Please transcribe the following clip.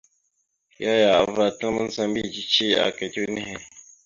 Yaya avəlatal mandzəha a mbiyez cici aka itew nehe.